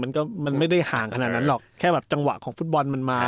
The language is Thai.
มันก็มันไม่ได้ห่างขนาดนั้นหรอกแค่แบบจังหวะของฟุตบอลมันมา